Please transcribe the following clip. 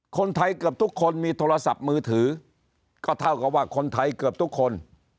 คนไทยเกือบทุกคนมีโทรศัพท์มือถือก็เท่ากับว่าคนไทยเกือบทุกคน